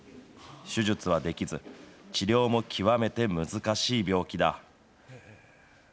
手術はできず、治療も極めて難しい病気だ。